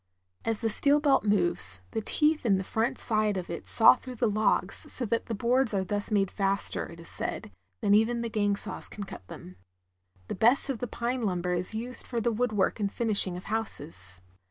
As the steel belt moves, the teeth in the front side of it saw through the logs, so that boards are thus made faster, it is said, than even the gang saws can cut them. The best of the pine lumber is used for the woodwork and finishing of houses.